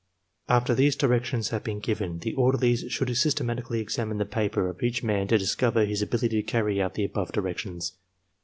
After these directions have been given, the orderlies should syBtematically examine the paper of each man to discover his ability to carry out the above directions.